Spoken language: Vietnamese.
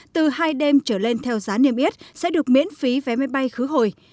từ hai đêm trở lên theo giá niêm yết sẽ được miễn phí vé máy bay khứ hồi